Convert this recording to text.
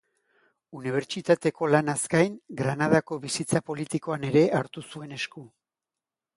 Unibertsitateko lanaz gain, Granadako bizitza politikoan ere hartu zuen esku.